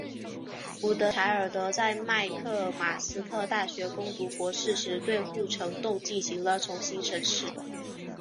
古德柴尔德在麦克马斯特大学攻读博士时对护城洞进行了重新审视。